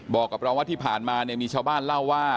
บอกกับเราว่าที่ผ่านมาเนี่ยมีชาวบ้านเล่าว่า